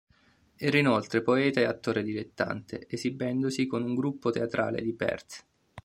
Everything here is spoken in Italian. Era inoltre poeta e attore dilettante, esibendosi con un gruppo teatrale di Perth.